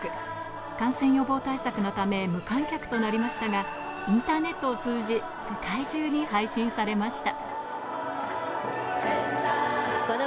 感染予防対策のため、無観客となりましたが、インターネットを通じ、世界中に配信されました。